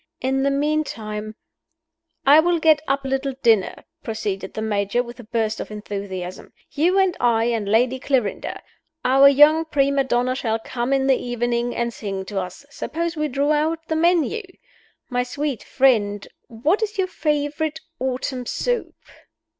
"In the meantime " "I will get up a little dinner," proceeded the Major, with a burst of enthusiasm. "You and I and Lady Clarinda. Our young prima donna shall come in the evening, and sing to us. Suppose we draw out the menu? My sweet friend, what is your favorite autumn soup?"